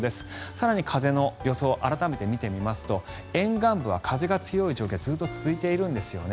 更に風の予想を改めて見てみますと沿岸部は風が強い状況がずっと続いているんですよね。